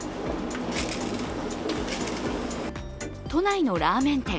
都内のラーメン店。